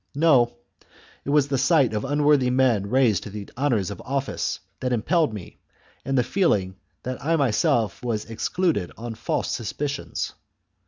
No, it was the sight of unworthy men raised to the honours of office that impelled me, and the feeling that I myself was ex cluded on false suspicions.